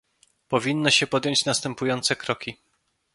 Powinno się podjąć następujące kroki